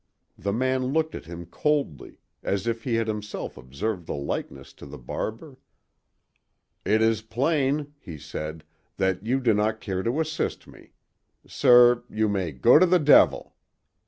The man looked at him coldly, as if he had himself observed the likeness to the barber. "It is plain," he said, "that you do not care to assist me. Sir, you may go to the devil!"